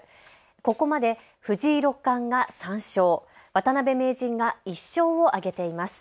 ここまで藤井六冠が３勝、渡辺名人が１勝を挙げています。